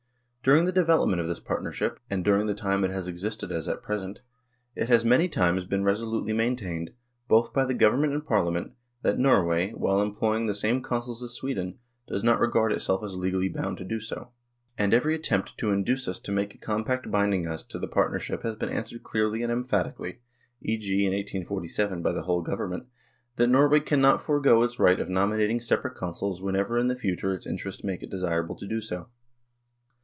During the development of this partnership, and during the time it has existed as at present, it has many times been resolutely maintained, both by the Government and Parliament, that Norway, while em ploying the same Consuls as Sweden, does not regard itself as legally bound to do so. And every attempt to induce us to make a compact binding us to the partnership has been answered clearly and emphatic ally (e.g., in 1847, by the whole Government) that Norway cannot forgo its right of nominating separate Consuls whenever in the future its interests make it desirable to do so.